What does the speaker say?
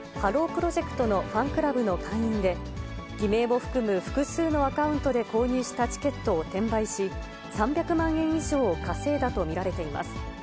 プロジェクトのファンクラブの会員で、偽名を含む複数のアカウントで購入したチケットを転売し、３００万円以上を稼いだと見られています。